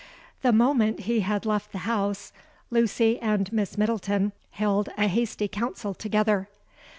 "The moment he had left the house, Lucy and Miss Middleton held a hasty council together.